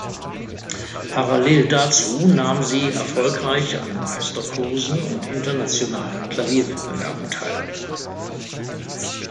Parallel dazu nahm sie erfolgreich an Meisterkursen und internationalen Klavierwettbewerben teil.